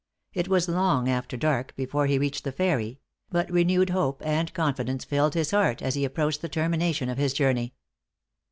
It was long after dark before he reached the ferry; but renewed hope and confidence filled his heart as he approached the termination of his journey.